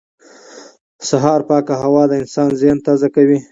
سهار پاکه هوا د انسان ذهن تازه کوي